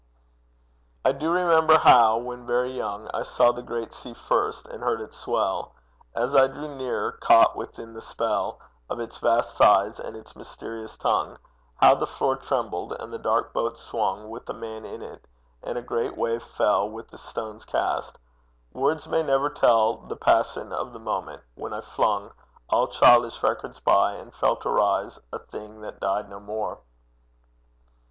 I do remember how when very young, I saw the great sea first, and heard its swell As I drew nearer, caught within the spell Of its vast size and its mysterious tongue. How the floor trembled, and the dark boat swung With a man in it, and a great wave fell Within a stone's cast! Words may never tell The passion of the moment, when I flung All childish records by, and felt arise A thing that died no more!